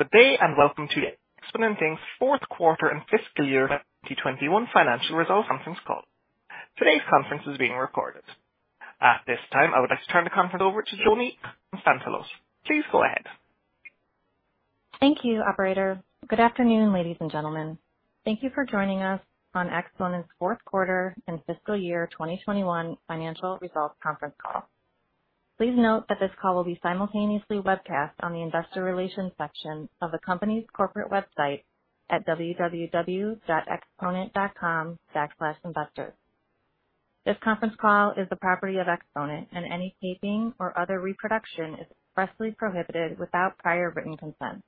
Good day, and welcome to Exponent's Q4 and fiscal year 2021 financial results Conference Call. Today's conference is being recorded. At this time, I would like to turn the conference over to Joni Konstantelos. Please go ahead. Thank you, operator. Good afternoon, ladies and gentlemen. Thank you for joining us on Exponent's Q4 and fiscal year 2021 financial results Conference Call. Please note that this call will be simultaneously webcast on the investor relations section of the company's corporate website at www.exponent.com/investors. This Conference Call is the property of Exponent, and any taping or other reproduction is expressly prohibited without prior written consent.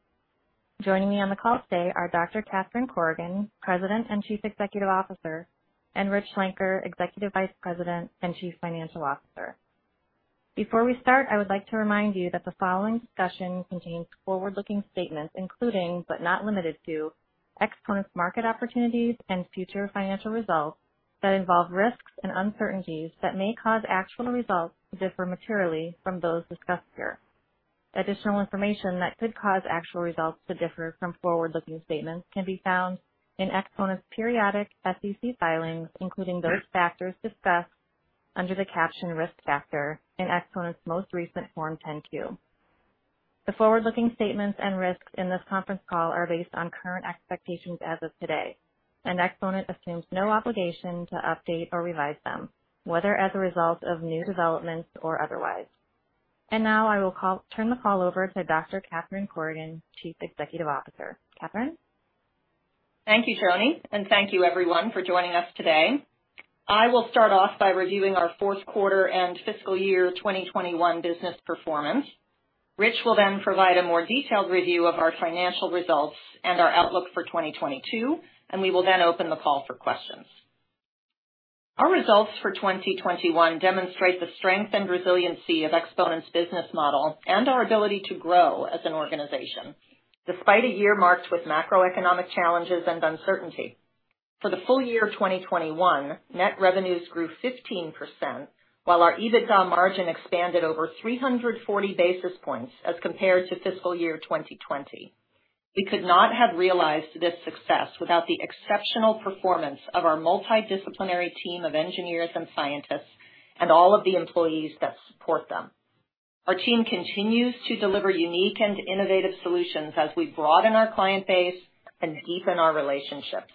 Joining me on the call today are Dr. Catherine Corrigan, President and Chief Executive Officer, and Rich Schlenker, Executive Vice President and Chief Financial Officer. Before we start, I would like to remind you that the following discussion contains forward-looking statements, including, but not limited to, Exponent's market opportunities and future financial results that involve risks and uncertainties that may cause actual results to differ materially from those discussed here. Additional information that could cause actual results to differ from forward-looking statements can be found in Exponent's periodic SEC filings, including those factors discussed under the caption Risk Factor in Exponent's most recent Form 10-Q. The forward-looking statements and risks in this Conference Call are based on current expectations as of today, and Exponent assumes no obligation to update or revise them, whether as a result of new developments or otherwise. Now, I will turn the call over to Dr. Catherine Corrigan, Chief Executive Officer. Catherine? Thank you, Joni, and thank you everyone for joining us today. I will start off by reviewing our Q4 and fiscal year 2021 business performance. Rich will then provide a more detailed review of our financial results and our outlook for 2022, and we will then open the call for questions. Our results for 2021 demonstrate the strength and resiliency of Exponent's business model and our ability to grow as an organization, despite a year marked with macroeconomic challenges and uncertainty. For the full-year of 2021, net revenues grew 15%, while our EBITDA margin expanded over 340 basis points as compared to fiscal year 2020. We could not have realized this success without the exceptional performance of our multidisciplinary team of engineers and scientists and all of the employees that support them. Our team continues to deliver unique and innovative solutions as we broaden our client base and deepen our relationships.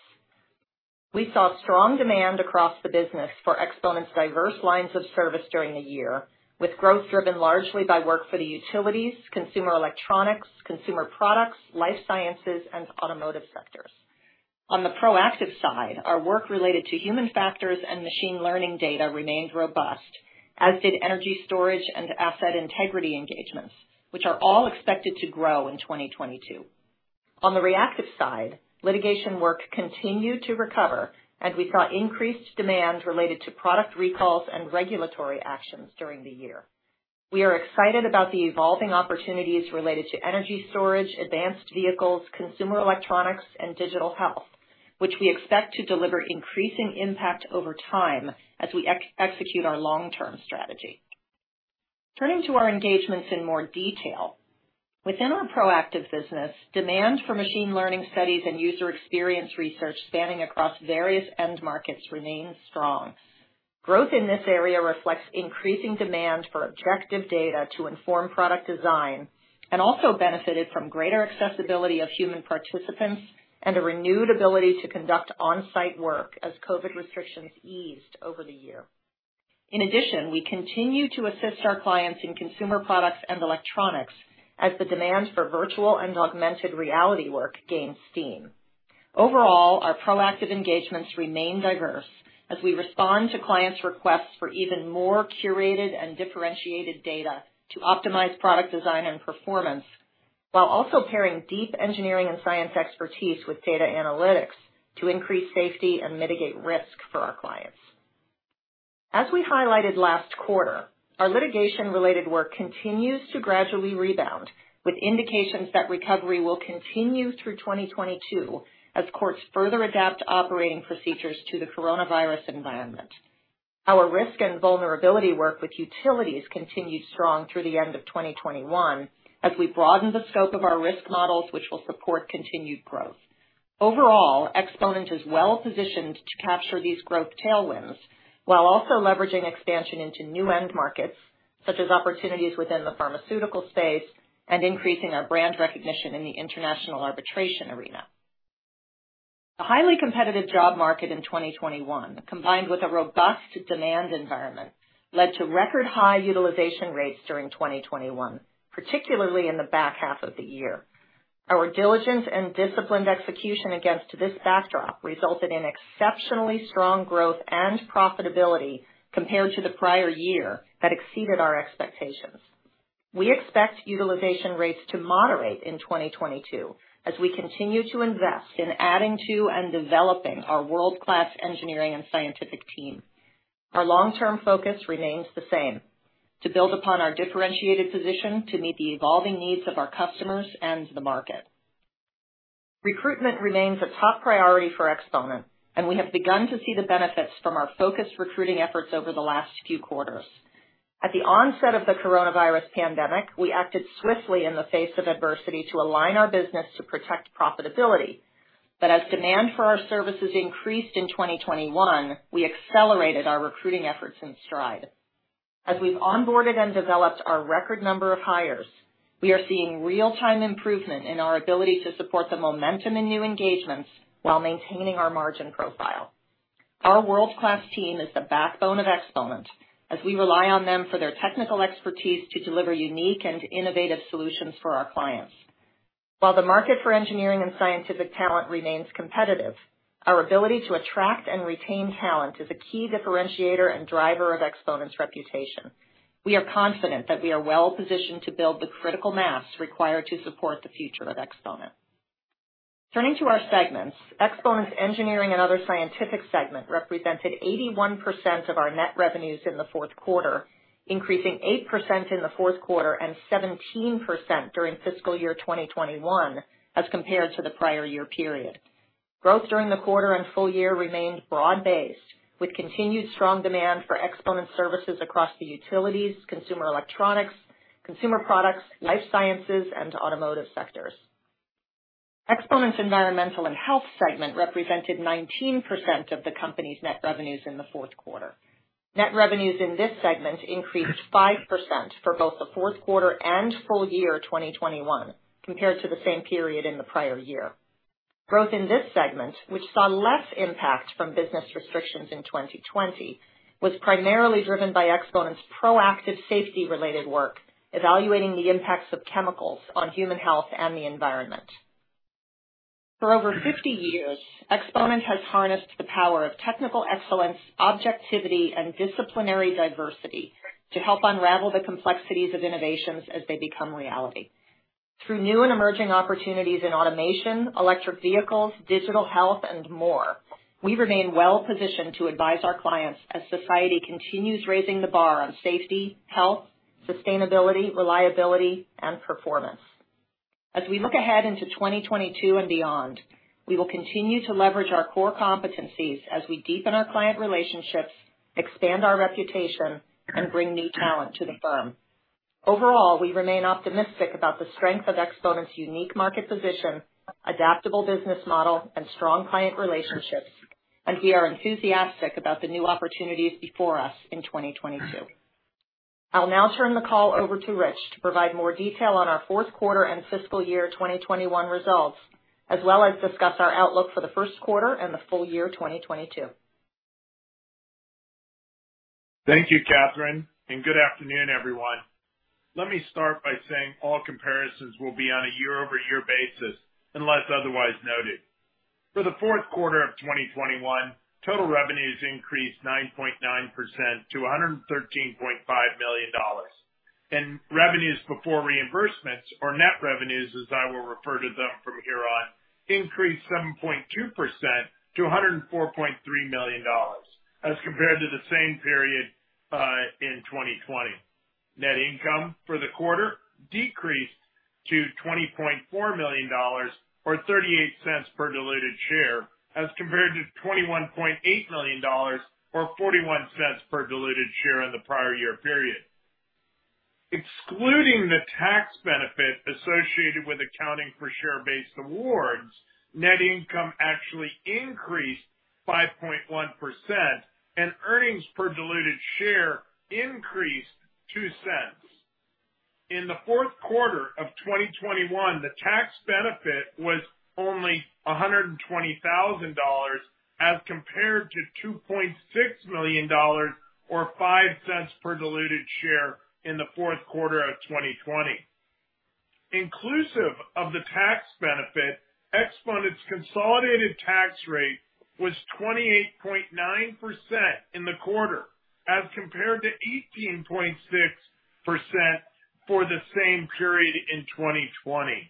We saw strong demand across the business for Exponent's diverse lines of service during the year, with growth driven largely by work for the utilities, consumer electronics, consumer products, life sciences, and automotive sectors. On the proactive side, our work related to human factors and machine learning data remained robust, as did energy storage and asset integrity engagements, which are all expected to grow in 2022. On the reactive side, litigation work continued to recover, and we saw increased demand related to product recalls and regulatory actions during the year. We are excited about the evolving opportunities related to energy storage, advanced vehicles, consumer electronics, and digital health, which we expect to deliver increasing impact over time as we execute our long-term strategy. Turning to our engagements in more detail. Within our proactive business, demand for machine learning studies and user experience research spanning across various end markets remains strong. Growth in this area reflects increasing demand for objective data to inform product design and also benefited from greater accessibility of human participants and a renewed ability to conduct on-site work as COVID restrictions eased over the year. In addition, we continue to assist our clients in consumer products and electronics as the demand for virtual and augmented reality work gains steam. Overall, our proactive engagements remain diverse as we respond to clients' requests for even more curated and differentiated data to optimize product design and performance, while also pairing deep engineering and science expertise with data analytics to increase safety and mitigate risk for our clients. As we highlighted last quarter, our litigation-related work continues to gradually rebound, with indications that recovery will continue through 2022 as courts further adapt operating procedures to the coronavirus environment. Our risk and vulnerability work with utilities continued strong through the end of 2021 as we broadened the scope of our risk models, which will support continued growth. Overall, Exponent is well-positioned to capture these growth tailwinds while also leveraging expansion into new end markets, such as opportunities within the pharmaceutical space and increasing our brand recognition in the international arbitration arena. A highly competitive job market in 2021, combined with a robust demand environment, led to record high utilization rates during 2021, particularly in the back half of the year. Our diligence and disciplined execution against this backdrop resulted in exceptionally strong growth and profitability compared to the prior year that exceeded our expectations. We expect utilization rates to moderate in 2022 as we continue to invest in adding to and developing our world-class engineering and scientific team. Our long-term focus remains the same: to build upon our differentiated position to meet the evolving needs of our customers and the market. Recruitment remains a top priority for Exponent, and we have begun to see the benefits from our focused recruiting efforts over the last few quarters. At the onset of the coronavirus pandemic, we acted swiftly in the face of adversity to align our business to protect profitability. As demand for our services increased in 2021, we accelerated our recruiting efforts in stride. As we've onboarded and developed our record number of hires, we are seeing real-time improvement in our ability to support the momentum and new engagements while maintaining our margin profile. Our world-class team is the backbone of Exponent, as we rely on them for their technical expertise to deliver unique and innovative solutions for our clients. While the market for engineering and scientific talent remains competitive, our ability to attract and retain talent is a key differentiator and driver of Exponent's reputation. We are confident that we are well-positioned to build the critical mass required to support the future of Exponent. Turning to our segments, Exponent's engineering and other scientific segment represented 81% of our net revenues in the Q4, increasing 8% in the Q4 and 17% during fiscal year 2021 as compared to the prior year period. Growth during the quarter and full-year remained broad-based, with continued strong demand for Exponent services across the utilities, consumer electronics, consumer products, life sciences, and automotive sectors. Exponent's environmental and health segment represented 19% of the company's net revenues in the Q4. Net revenues in this segment increased 5% for both the Q4 and full-year 2021 compared to the same period in the prior year. Growth in this segment, which saw less impact from business restrictions in 2020, was primarily driven by Exponent's proactive safety-related work, evaluating the impacts of chemicals on human health and the environment. For over 50 years, Exponent has harnessed the power of technical excellence, objectivity, and disciplinary diversity to help unravel the complexities of innovations as they become reality. Through new and emerging opportunities in automation, electric vehicles, digital health, and more, we remain well-positioned to advise our clients as society continues raising the bar on safety, health, sustainability, reliability, and performance. As we look ahead into 2022 and beyond, we will continue to leverage our core competencies as we deepen our client relationships, expand our reputation, and bring new talent to the firm. Overall, we remain optimistic about the strength of Exponent's unique market position, adaptable business model, and strong client relationships, and we are enthusiastic about the new opportunities before us in 2022. I'll now turn the call over to Rich to provide more detail on our Q4 and fiscal year 2021 results, as well as discuss our outlook for the Q1 and the full-year 2022. Thank you, Catherine, and good afternoon, everyone. Let me start by saying all comparisons will be on a year-over-year basis, unless otherwise noted. For the Q4 2021, total revenues increased 9.9% to $113.5 million. Revenues before reimbursements, or net revenues, as I will refer to them from here on, increased 7.2% to $104.3 million as compared to the same period in 2020. Net income for the quarter decreased to $20.4 million or 38 cents per diluted share, as compared to $21.8 million or 41 cents per diluted share in the prior year period. Excluding the tax benefit associated with accounting for share-based awards, net income actually increased 5.1%, and earnings per diluted share increased 2 cents. In the Q4 2021, the tax benefit was only $120,000 as compared to $2.6 million or $0.05 per diluted share in the Q4 2020. Inclusive of the tax benefit, Exponent's consolidated tax rate was 28.9% in the quarter, as compared to 18.6% for the same period in 2020.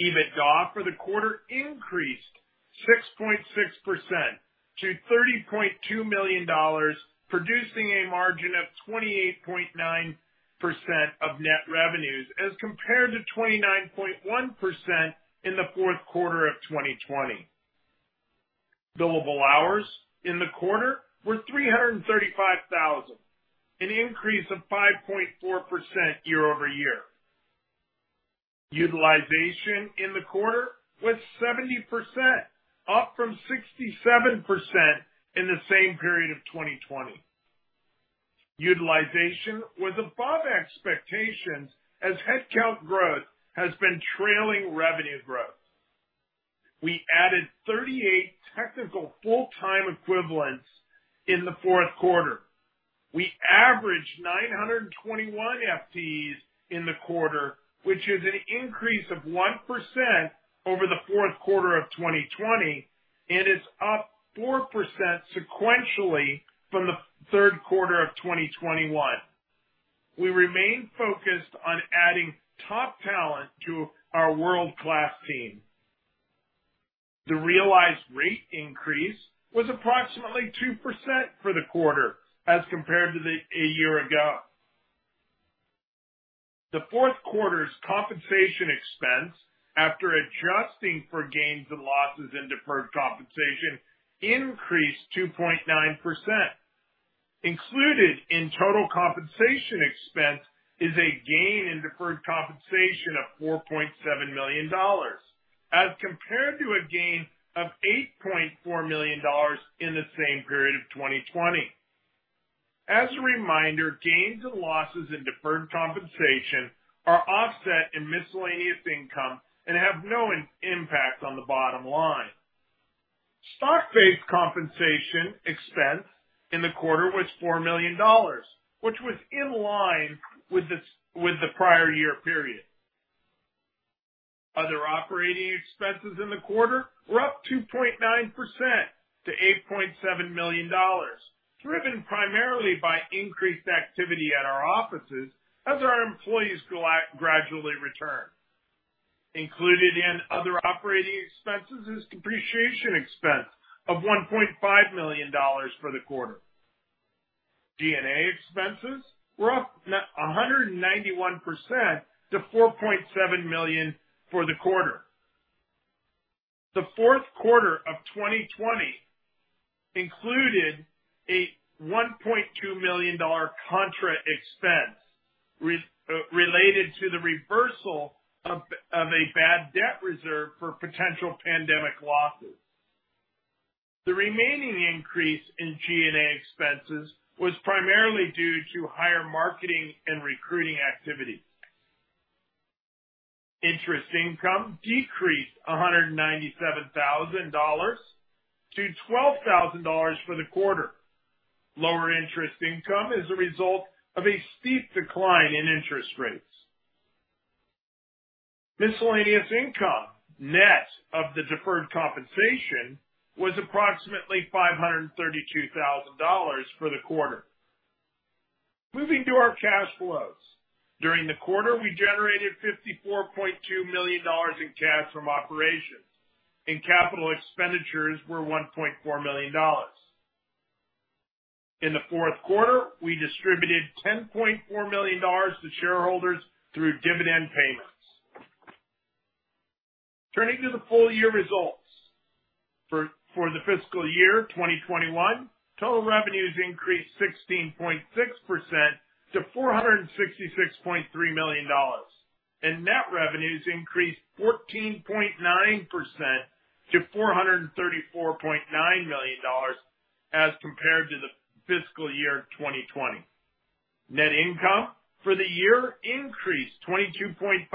EBITDA for the quarter increased 6.6% to $30.2 million, producing a margin of 28.9% of net revenues, as compared to 29.1% in the Q4 2020. Billable hours in the quarter were 335,000, an increase of 5.4% year-over-year. Utilization in the quarter was 70%, up from 67% in the same period of 2020. Utilization was above expectations as headcount growth has been trailing revenue growth. We added 38 technical full-time equivalents in the Q4. We averaged 921 FTEs in the quarter, which is an increase of 1% over the Q4 of 2020, and is up 4% sequentially from the Q3 2021. We remain focused on adding top talent to our world-class team. The realized rate increase was approximately 2% for the quarter as compared to a year ago. The Q4's compensation expense, after adjusting for gains and losses in deferred compensation, increased 2.9%. Included in total compensation expense is a gain in deferred compensation of $4.7 million, as compared to a gain of $8.4 million in the same period of 2020. As a reminder, gains and losses in deferred compensation are offset in miscellaneous income and have no impact on the bottom-line. Stock-based compensation expense in the quarter was $4 million, which was in line with the prior year period. Other operating expenses in the quarter were up 2.9% to $8.7 million, driven primarily by increased activity at our offices as our employees gradually return. Included in other operating expenses is depreciation expense of $1.5 million for the quarter. G&A expenses were up 191% to $4.7 million for the quarter. The Q4 2020 included a $1.2 million contra expense related to the reversal of a bad debt reserve for potential pandemic losses. The remaining increase in G&A expenses was primarily due to higher marketing and recruiting activities. Interest income decreased $197,000 to $12,000 for the quarter. Lower interest income is a result of a steep decline in interest rates. Miscellaneous income, net of the deferred compensation, was approximately $532,000 for the quarter. Moving to our cash flows. During the quarter, we generated $54.2 million in cash from operations, and capital expenditures were $1.4 million. In the fQ4, we distributed $10.4 million to shareholders through dividend payments. Turning to the full-year results. For the fiscal year 2021, total revenues increased 16.6% to $466.3 million, and net revenues increased 14.9% to $434.9 million as compared to the fiscal year 2020. Net income for the year increased 22.5%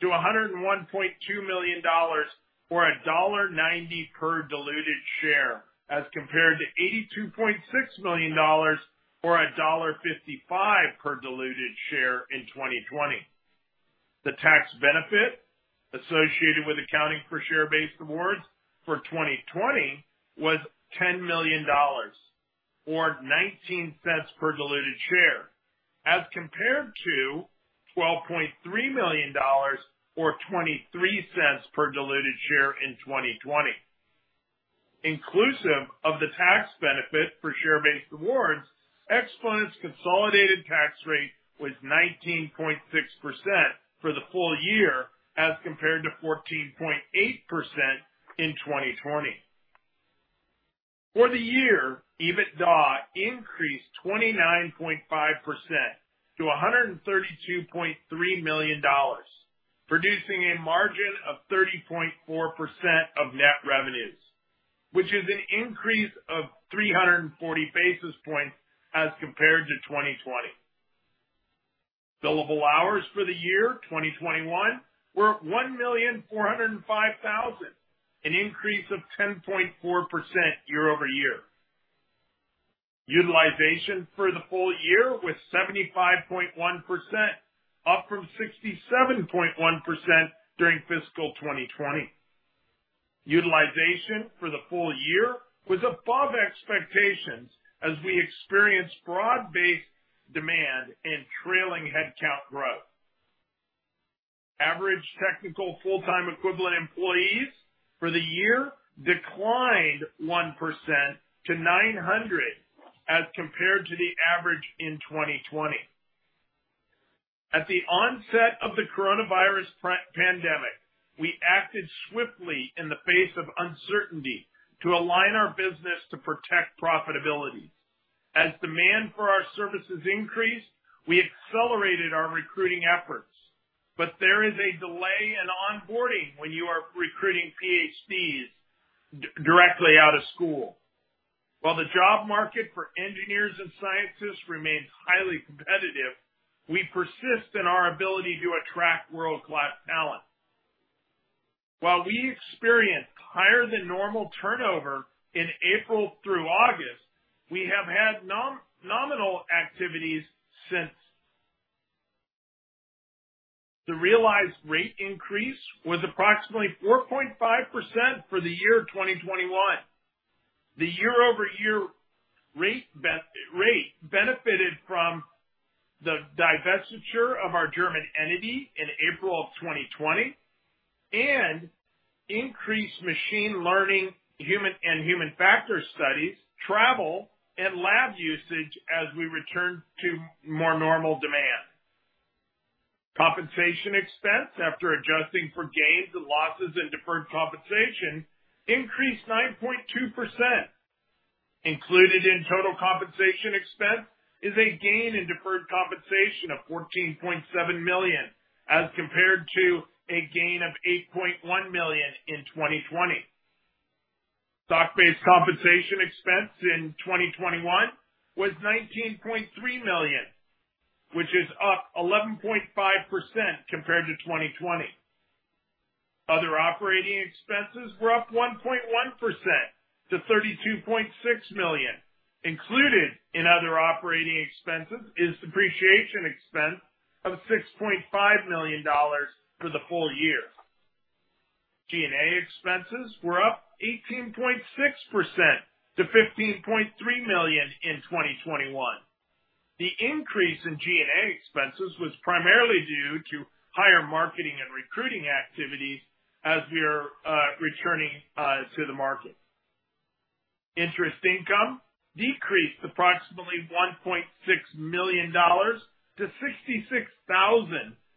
to $101.2 million, or $1.90 per diluted share, as compared to $82.6 million or $1.55 per diluted share in 2020. The tax benefit associated with accounting for share-based awards for 2020 was $10 million or $0.19 per diluted share, as compared to $12.3 million or $0.23 per diluted share in 2020. Inclusive of the tax benefit for share-based awards, Exponent's consolidated tax rate was 19.6% for the full-year, as compared to 14.8% in 2020. For the year, EBITDA increased 29.5% to $132.3 million, producing a margin of 30.4% of net revenues, which is an increase of 340 basis points as compared to 2020. Billable hours for the year, 2021, were 1,405,000, an increase of 10.4% year-over-year. Utilization for the full-year was 75.1%, up from 67.1% during fiscal 2020. Utilization for the full-year was above expectations as we experienced broad-based demand and trailing headcount growth. Average technical full-time equivalent employees for the year declined 1% to 900 as compared to the average in 2020. At the onset of the coronavirus pre-pandemic, we acted swiftly in the face of uncertainty to align our business to protect profitability. As demand for our services increased, we accelerated our recruiting efforts. There is a delay in onboarding when you are recruiting PhDs directly out of school. While the job market for engineers and scientists remains highly competitive, we persist in our ability to attract world-class talent. While we experienced higher than normal turnover in April through August, we have had nominal activities since. The realized rate increase was approximately 4.5% for the year 2021. The year-over-year rate benefited from the divestiture of our German entity in April 2020 and increased machine learning human and human factor studies, travel, and lab usage as we return to more normal demand. Compensation expense, after adjusting for gains and losses and deferred compensation, increased 9.2%. Included in total compensation expense is a gain in deferred compensation of $14.7 million as compared to a gain of $8.1 million in 2020. Stock-based compensation expense in 2021 was $19.3 million, which is up 11.5% compared to 2020. Other operating expenses were up 1.1% to $32.6 million. Included in other operating expenses is depreciation expense of $6.5 million for the full-year. G&A expenses were up 18.6% to $15.3 million in 2021. The increase in G&A expenses was primarily due to higher marketing and recruiting activities as we are returning to the market. Interest income decreased approximately $1.6 million to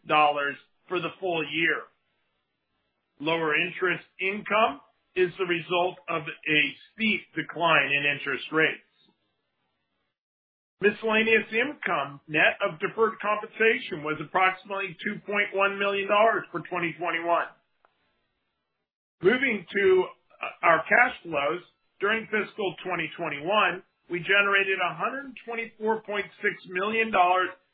$66,000 for the full-year. Lower interest income is the result of a steep decline in interest rates. Miscellaneous income, net of deferred compensation, was approximately $2.1 million for 2021. Moving to our cash flows. During fiscal 2021, we generated $124.6 million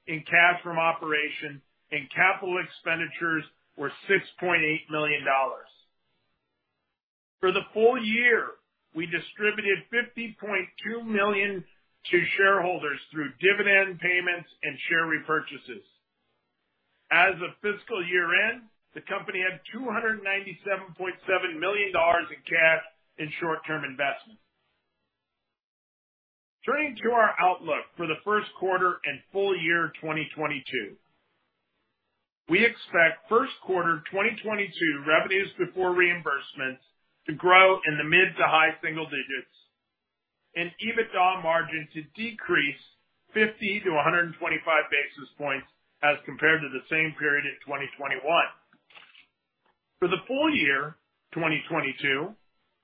in cash from operations and capital expenditures were $6.8 million. For the full-year, we distributed $50.2 million to shareholders through dividend payments and share repurchases. As of fiscal year-end, the company had $297.7 million in cash and short-term investments. Turning to our outlook for the Q1 and full-year 2022. We expect Q1 2022 revenues before reimbursements to grow in the mid- to high single-digits and EBITDA margin to decrease 50-125 basis points as compared to the same period in 2021. For the full-year 2022,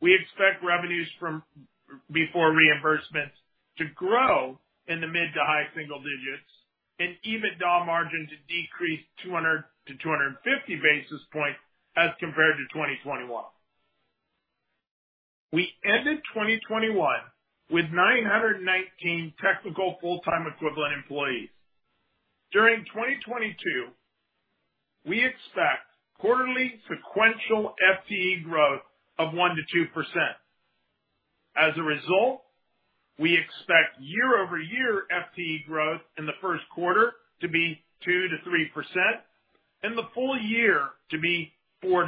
we expect revenues before reimbursements to grow in the mid- to high single-digits and EBITDA margin to decrease 200-250 basis points as compared to 2021. We ended 2021 with 919 technical full-time equivalent employees. During 2022, we expect quarterly sequential FTE growth of 1%-2%. As a result, we expect year-over-year FTE growth in the Q1 to be 2%-3% and the full-year to be 4%-6%.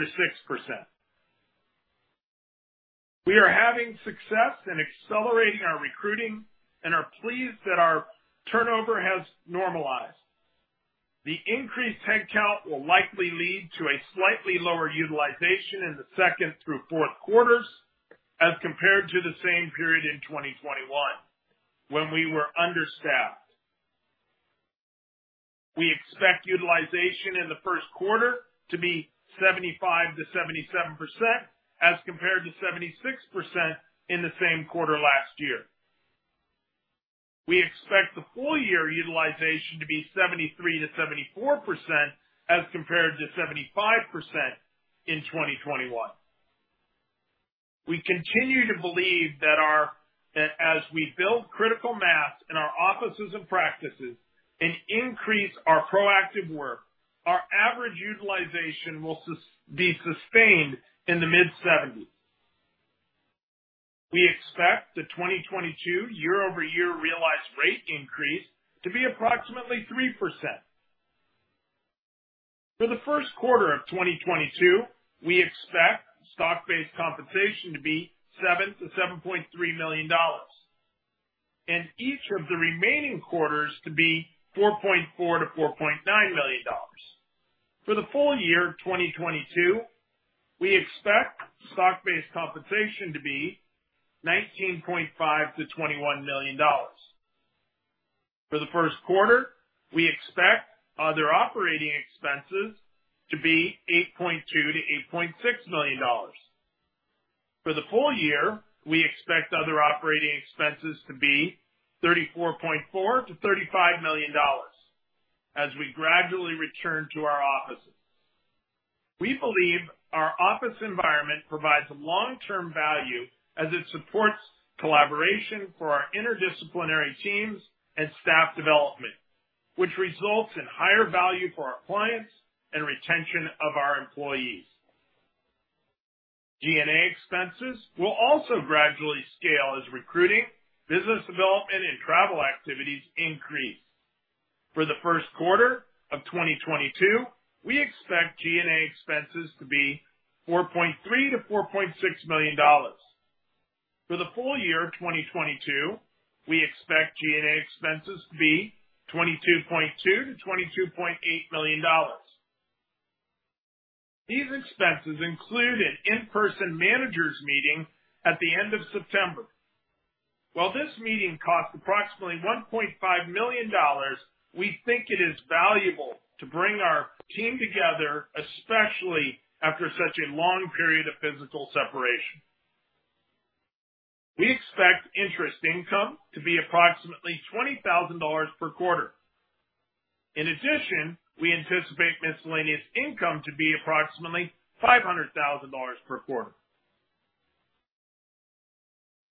We are having success in accelerating our recruiting and are pleased that our turnover has normalized. The increased headcount will likely lead to a slightly lower utilization in the second through Q4s as compared to the same period in 2021, when we were understaffed. We expect utilization in the Q1 to be 75%-77% as compared to 76% in the same quarter last year. We expect the full-year utilization to be 73%-74% as compared to 75% in 2021. We continue to believe that as we build critical mass in our offices and practices and increase our proactive work, our average utilization will be sustained in the mid-70s. We expect the 2022 year-over-year realized rate increase to be approximately 3%. For the Q1 2022, we expect stock-based compensation to be $7 million-$7.3 million, and each of the remaining quarters to be $4.4 million-$4.9 million. For the full-year 2022, we expect stock-based compensation to be $19.5 million-$21 million. For the Q1, we expect other operating expenses to be $8.2 million-$8.6 million. For the full-year, we expect other operating expenses to be $34.4 million-$35 million as we gradually return to our offices. We believe our office environment provides long-term value as it supports collaboration for our interdisciplinary teams and staff development, which results in higher value for our clients and retention of our employees. G&A expenses will also gradually scale as recruiting, business development, and travel activities increase. For the Q1 2022, we expect G&A expenses to be $4.3 million-$4.6 million. For the full-year of 2022, we expect G&A expenses to be $22.2 million-$22.8 million. These expenses include an in-person managers meeting at the end of September. While this meeting costs approximately $1.5 million, we think it is valuable to bring our team together, especially after such a long period of physical separation. We expect interest income to be approximately $20,000 per quarter. In addition, we anticipate miscellaneous income to be approximately $500,000 per quarter.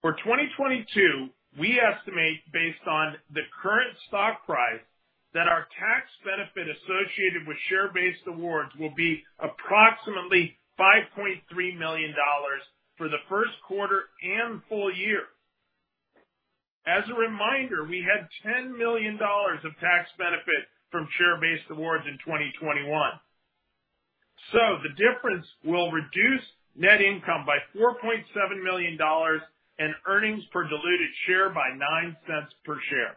For 2022, we estimate, based on the current stock price, that our tax benefit associated with share-based awards will be approximately $5.3 million for the Q1 and full-year. As a reminder, we had $10 million of tax benefit from share-based awards in 2021. The difference will reduce net income by $4.7 million and earnings per diluted share by $0.09 per share.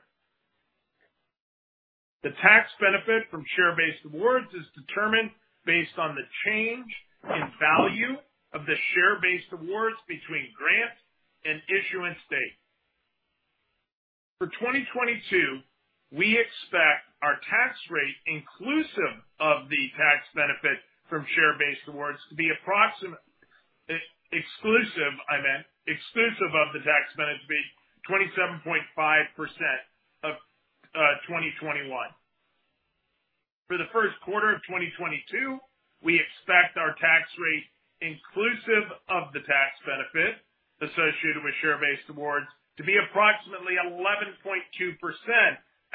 The tax benefit from share-based awards is determined based on the change in value of the share-based awards between grant and issuance date. For 2022, we expect our tax rate inclusive of the tax benefit from share-based awards to be exclusive of the tax benefit to be 27.5% of 2021. For the Q1 2022, we expect our tax rate inclusive of the tax benefit associated with share-based awards to be approximately 11.2%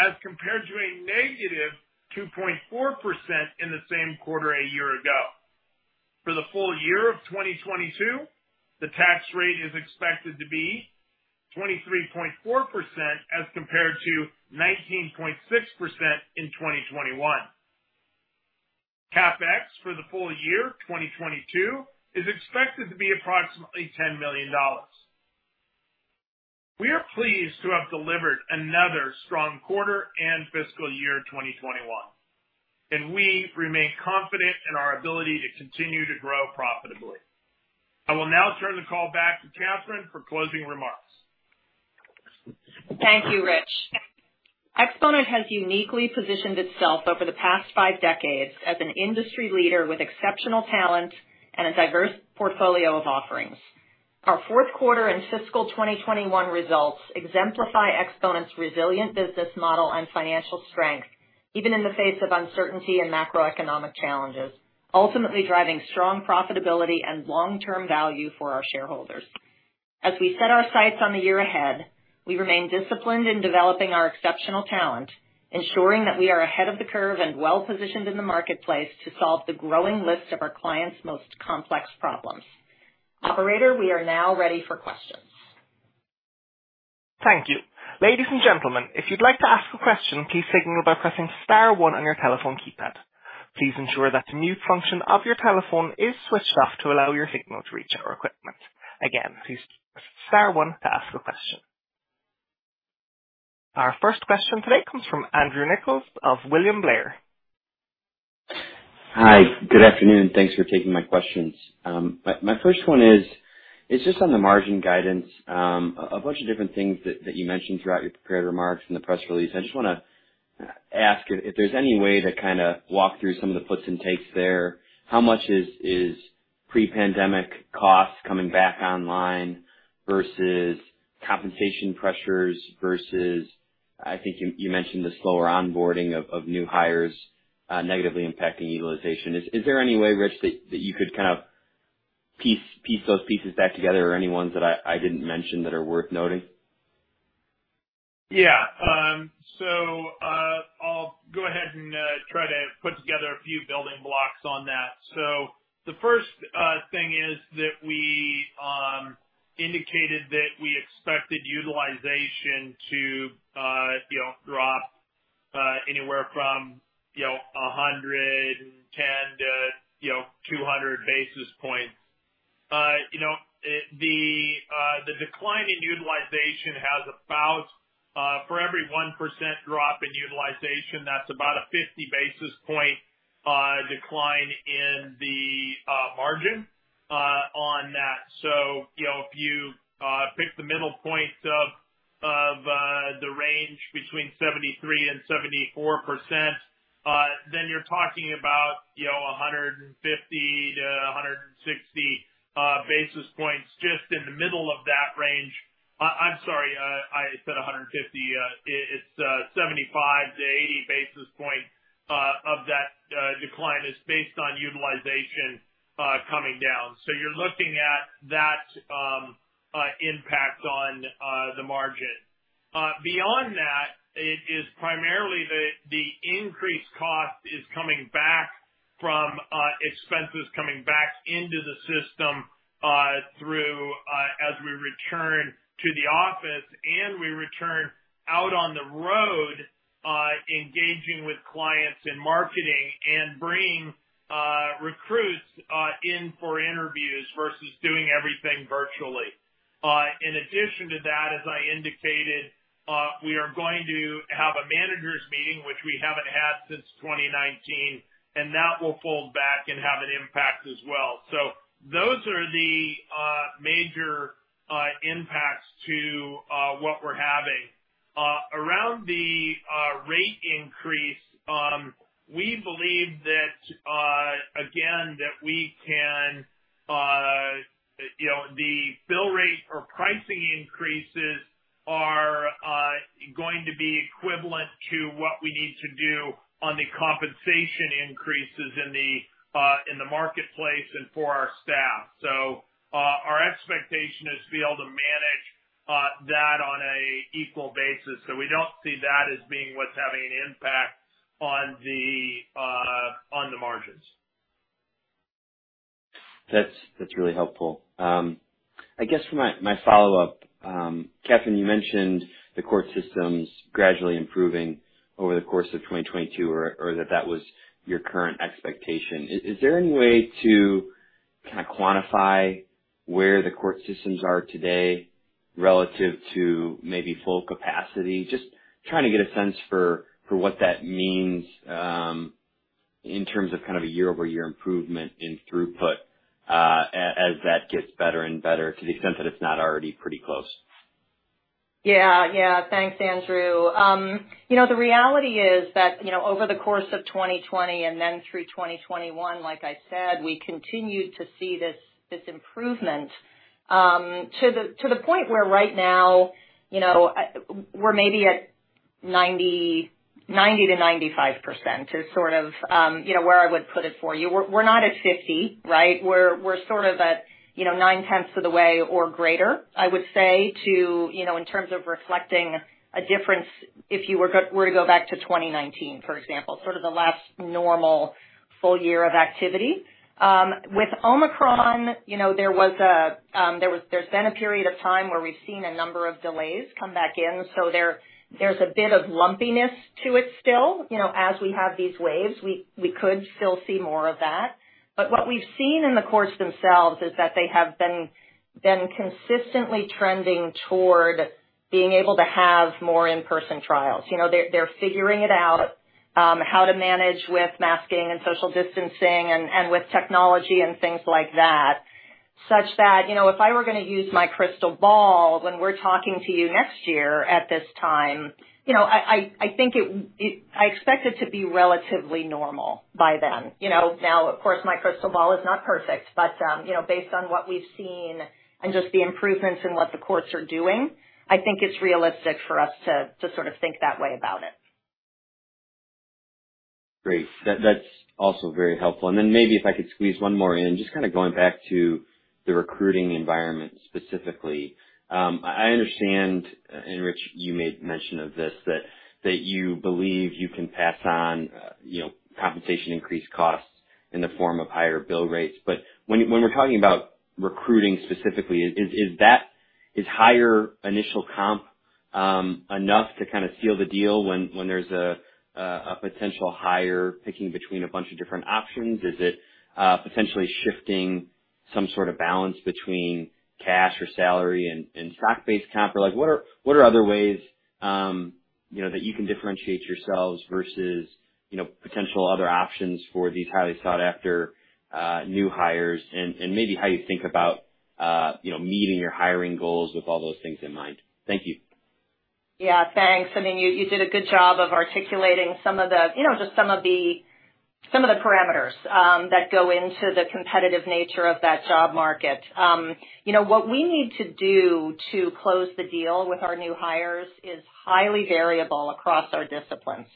as compared to a -2.4% in the same quarter a year ago. For the full-year of 2022, the tax rate is expected to be 23.4% as compared to 19.6% in 2021. CapEx for the full-year, 2022, is expected to be approximately $10 million. We are pleased to have delivered another strong quarter and fiscal year, 2021, and we remain confident in our ability to continue to grow profitably. I will now turn the call back to Catherine for closing remarks. Thank you, Rich. Exponent has uniquely positioned itself over the past five decades as an industry leader with exceptional talent and a diverse portfolio of offerings. Our Q4 and fiscal 2021 results exemplify Exponent's resilient business model and financial strength, even in the face of uncertainty and macroeconomic challenges, ultimately driving strong profitability and long-term value for our shareholders. As we set our sights on the year ahead, we remain disciplined in developing our exceptional talent, ensuring that we are ahead of the curve and well-positioned in the marketplace to solve the growing list of our clients' most complex problems. Operator, we are now ready for questions. Thank you. Ladies and gentlemen, if you'd like to ask a question, please signal by pressing star one on your telephone keypad. Please ensure that the mute function of your telephone is switched off to allow your signal to reach our equipment. Again, please press star one to ask a question. Our first question today comes from Andrew Nicholas of William Blair. Hi. Good afternoon. Thanks for taking my questions. My first one is, it's just on the margin guidance. A bunch of different things that you mentioned throughout your prepared remarks in the press release. I just wanna ask if there's any way to kinda walk through some of the puts and takes there. How much is pre-pandemic costs coming back online versus compensation pressures versus I think you mentioned the slower onboarding of new hires negatively impacting utilization. Is there any way, Rich, that you could kind of piece those pieces back together or any ones that I didn't mention that are worth noting? Yeah. I'll go ahead and try to put together a few building blocks on that. The first thing is that we indicated that we expected utilization to you know drop anywhere from 110-200 basis points. You know, the decline in utilization has about for every 1% drop in utilization, that's about a 50 basis point decline in the margin on that. If you pick the middle point of the range between 73% and 74%, then you're talking about you know 150-160 basis points just in the middle of that range. I'm sorry, I said 150. It's 75-80 basis points of that decline based on utilization coming down. You're looking at that impact on the margin. Beyond that, it is primarily the increased cost coming back from expenses coming back into the system through as we return to the office and we return out on the road engaging with clients in marketing and bringing recruits in for interviews versus doing everything virtually. In addition to that, as I indicated, we are going to have a managers meeting, which we haven't had since 2019, and that will fold back and have an impact as well. Those are the major impacts to what we're having. Around the rate increase, we believe that, again, that we can, you know, the bill rate or pricing increases are going to be equivalent to what we need to do on the compensation increases in the marketplace and for our staff. Our expectation is to be able to manage that on an equal basis. We don't see that as being what's having an impact on the margins. That's really helpful. I guess for my follow-up, Catherine, you mentioned the court systems gradually improving over the course of 2022 or that was your current expectation. Is there any way to kinda quantify where the court systems are today relative to maybe full capacity? Just trying to get a sense for what that means in terms of kind of a year-over-year improvement in throughput, as that gets better and better to the extent that it's not already pretty close. Yeah. Yeah. Thanks, Andrew. You know, the reality is that, you know, over the course of 2020 and then through 2021, like I said, we continued to see this improvement to the point where right now, you know, we're maybe at 90%-95% is sort of, you know, where I would put it for you. We're not at 50, right? We're sort of at, you know, nine-tenths of the way or greater, I would say, to, you know, in terms of reflecting a difference, if you were to go back to 2019, for example, sort of the last normal full-year of activity. With Omicron, you know, there's been a period of time where we've seen a number of delays come back in, so there's a bit of lumpiness to it still. You know, as we have these waves, we could still see more of that. What we've seen in the courts themselves is that they have been consistently trending toward being able to have more in-person trials. You know, they're figuring it out, how to manage with masking and social distancing and with technology and things like that, such that, you know, if I were gonna use my crystal ball when we're talking to you next year at this time, you know, I expect it to be relatively normal by then. You know, now of course, my crystal ball is not perfect, but you know, based on what we've seen and just the improvements in what the courts are doing, I think it's realistic for us to sort of think that way about it. Great. That's also very helpful. Then maybe if I could squeeze one more in. Just kind of going back to the recruiting environment specifically. I understand, and Rich, you made mention of this, that you believe you can pass on, you know, compensation increase costs in the form of higher bill rates. When we're talking about recruiting specifically, is that. Is higher initial comp enough to kind of seal the deal when there's a potential hire picking between a bunch of different options? Is it potentially shifting some sort of balance between cash or salary and stock-based comp? Like what are other ways, you know, that you can differentiate yourselves versus, you know, potential other options for these highly sought after new hires and maybe how you think about, you know, meeting your hiring goals with all those things in mind? Thank you. Yeah, thanks. I mean, you did a good job of articulating some of the parameters that go into the competitive nature of that job market. You know, what we need to do to close the deal with our new hires is highly variable across our disciplines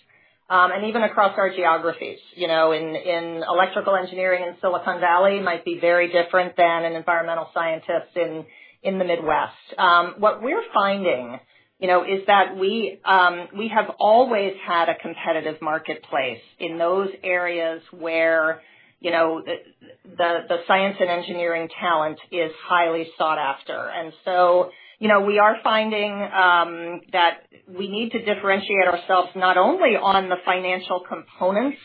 and even across our geographies. You know, in electrical engineering in Silicon Valley might be very different than an environmental scientist in the Midwest. What we're finding, you know, is that we have always had a competitive marketplace in those areas where the science and engineering talent is highly sought after. You know, we are finding that we need to differentiate ourselves not only on the financial components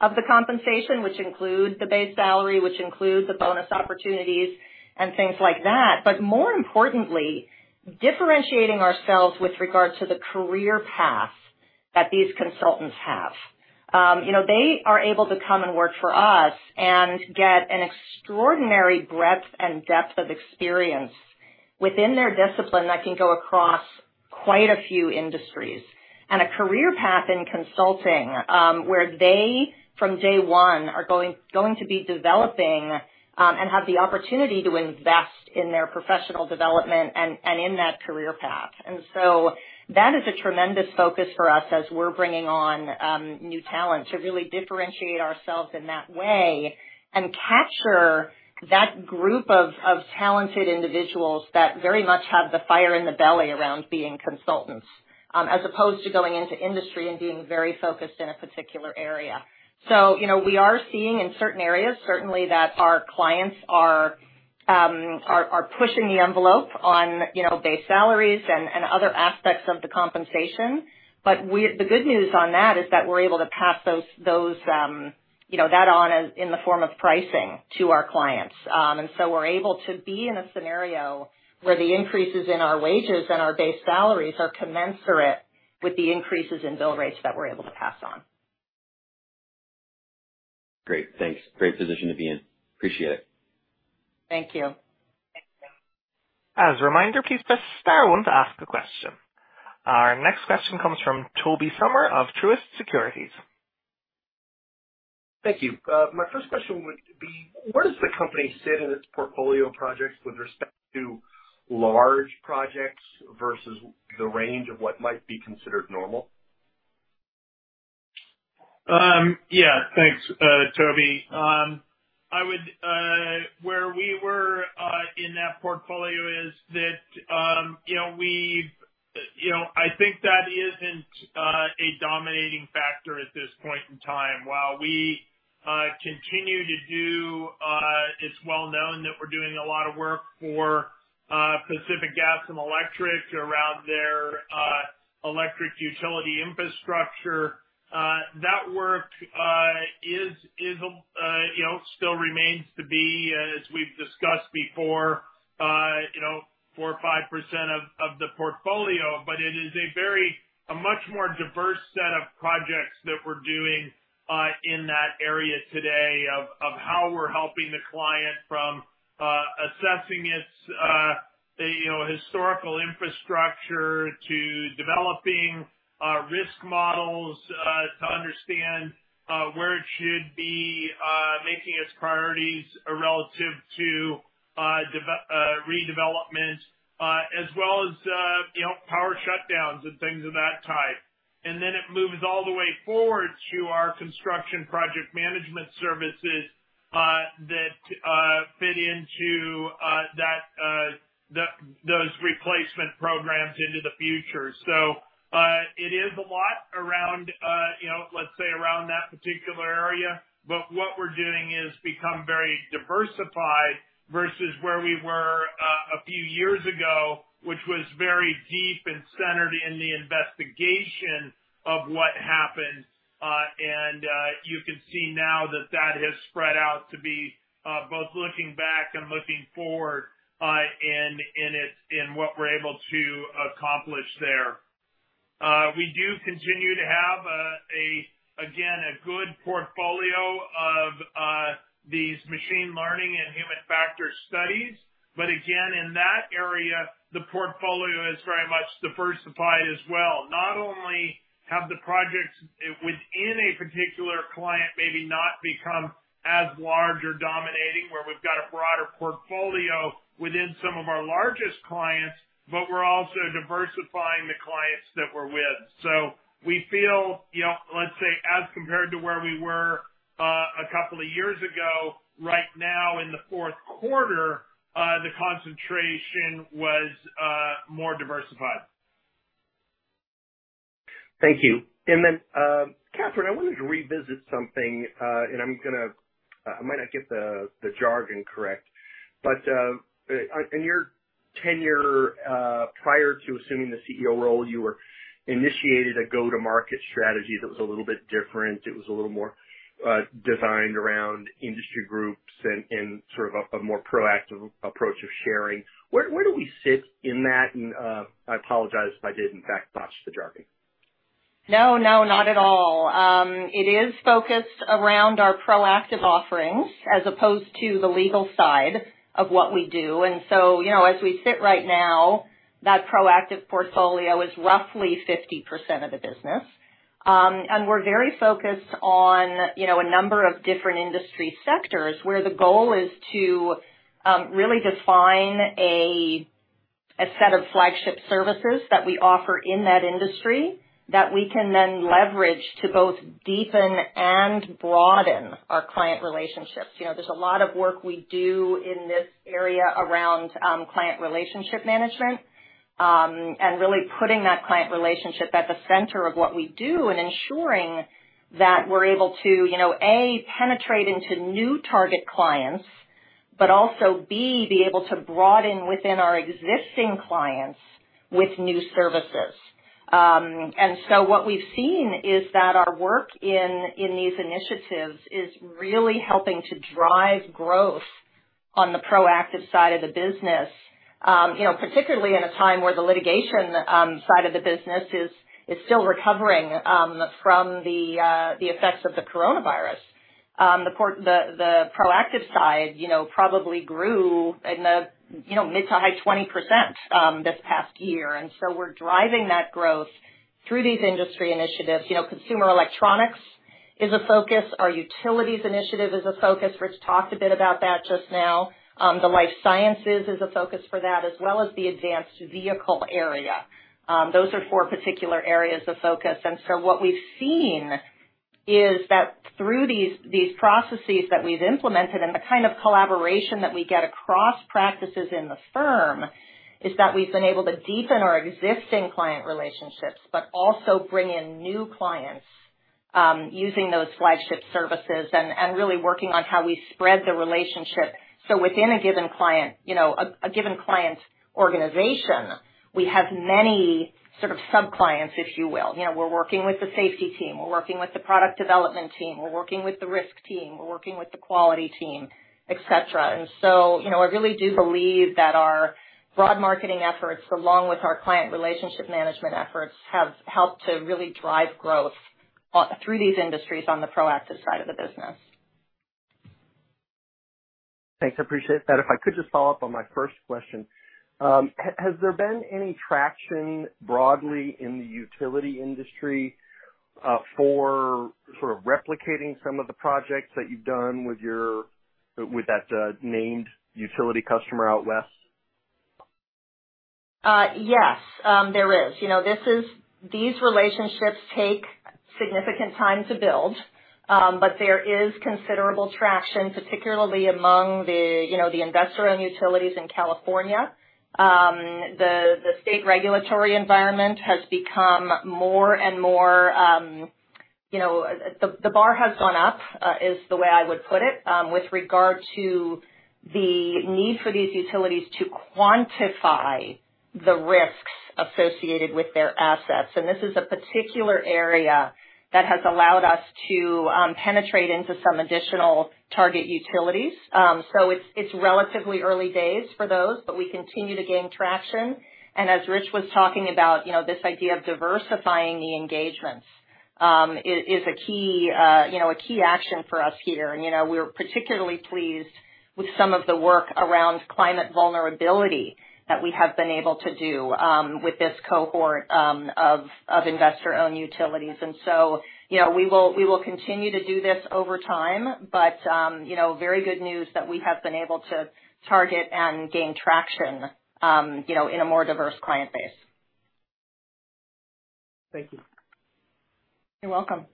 of the compensation, which include the base salary, which include the bonus opportunities and things like that, but more importantly, differentiating ourselves with regards to the career path that these consultants have. You know, they are able to come and work for us and get an extraordinary breadth and depth of experience within their discipline that can go across quite a few industries. A career path in consulting, where they, from day one, are going to be developing and have the opportunity to invest in their professional development and in that career path. That is a tremendous focus for us as we're bringing on new talent to really differentiate ourselves in that way. Capture that group of talented individuals that very much have the fire in the belly around being consultants, as opposed to going into industry and being very focused in a particular area. You know, we are seeing in certain areas, certainly that our clients are pushing the envelope on, you know, base salaries and other aspects of the compensation. The good news on that is that we're able to pass those, you know, that on as in the form of pricing to our clients. We're able to be in a scenario where the increases in our wages and our base salaries are commensurate with the increases in bill rates that we're able to pass on. Great. Thanks. Great position to be in. Appreciate it. Thank you. As a reminder, please press star one to ask a question. Our next question comes from Tobey Sommer of Truist Securities. Thank you. My first question would be, where does the company sit in its portfolio of projects with respect to large projects versus the range of what might be considered normal? Yeah. Thanks, Toby. Where we were in that portfolio is that, you know, we've, you know, I think that isn't a dominating factor at this point in time. While we continue to do, it's well-known that we're doing a lot of work for Pacific Gas and Electric around their electric utility infrastructure. That work, you know, still remains to be, as we've discussed before, you know, 4% or 5% of the portfolio. It is a much more diverse set of projects that we're doing in that area today of how we're helping the client from assessing its you know historical infrastructure to developing risk models to understand where it should be making its priorities relative to redevelopment, as well as you know power shutdowns and things of that type. It moves all the way forward to our construction project management services that fit into those replacement programs into the future. It is a lot around you know let's say around that particular area. What we're doing is become very diversified versus where we were a few years ago, which was very deep and centered in the investigation of what happened. You can see now that that has spread out to be both looking back and looking forward in what we're able to accomplish there. We do continue to have again a good portfolio of these machine learning and human factor studies. But again, in that area, the portfolio is very much diversified as well. Not only have the projects within a particular client maybe not become as large or dominating, where we've got a broader portfolio within some of our largest clients, but we're also diversifying the clients that we're with. We feel, you know, let's say, as compared to where we were a couple of years ago, right now in the Q4 the concentration was more diversified. Thank you. Catherine, I wanted to revisit something, and I'm gonna. I might not get the jargon correct. In your tenure, prior to assuming the CEO role, you initiated a go-to-market strategy that was a little bit different. It was a little more designed around industry groups and sort of a more proactive approach of sharing. Where do we sit in that? I apologize if I did, in fact, botch the jargon. No, no, not at all. It is focused around our proactive offerings as opposed to the legal side of what we do. You know, as we sit right now, that proactive portfolio is roughly 50% of the business. We're very focused on, you know, a number of different industry sectors where the goal is to really define a set of flagship services that we offer in that industry that we can then leverage to both deepen and broaden our client relationships. You know, there's a lot of work we do in this area around client relationship management, and really putting that client relationship at the center of what we do, and ensuring that we're able to, you know, A, penetrate into new target clients, but also, B, be able to broaden within our existing clients with new services. What we've seen is that our work in these initiatives is really helping to drive growth on the proactive side of the business. You know, particularly in a time where the litigation side of the business is still recovering from the effects of the coronavirus. The proactive side, you know, probably grew in the mid- to high-20%, this past year. We're driving that growth through these industry initiatives. You know, consumer electronics is a focus. Our utilities initiative is a focus. Rich talked a bit about that just now. The life sciences is a focus for that, as well as the advanced vehicle area. Those are four particular areas of focus. What we've seen is that through these processes that we've implemented and the kind of collaboration that we get across practices in the firm is that we've been able to deepen our existing client relationships, but also bring in new clients, using those flagship services and really working on how we spread the relationship. Within a given client, you know, a given client organization, we have many sort of sub-clients, if you will. You know, we're working with the safety team, we're working with the product development team, we're working with the risk team, we're working with the quality team, et cetera. You know, I really do believe that our broad marketing efforts, along with our client relationship management efforts, have helped to really drive growth through these industries on the proactive side of the business. Thanks, I appreciate that. If I could just follow-up on my first question. Has there been any traction broadly in the utility industry for sort of replicating some of the projects that you've done with that named utility customer out west? Yes. There is. These relationships take significant time to build. There is considerable traction, particularly among the investor-owned utilities in California. The state regulatory environment has become more and more. The bar has gone up, is the way I would put it, with regard to the need for these utilities to quantify the risks associated with their assets. This is a particular area that has allowed us to penetrate into some additional target utilities. It's relatively early days for those, but we continue to gain traction. As Rich was talking about, you know, this idea of diversifying the engagements is a key action for us here. You know, we're particularly pleased with some of the work around climate vulnerability that we have been able to do with this cohort of investor-owned utilities. You know, we will continue to do this over time, but you know, very good news that we have been able to target and gain traction, you know, in a more diverse client base. Thank you. You're welcome.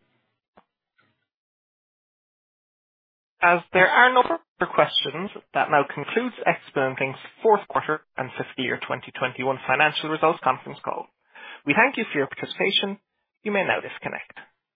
As there are no further questions, that now concludes Exponent's Q4 and full-year 2021 financial results Conference Call. We thank you for your participation. You may now disconnect.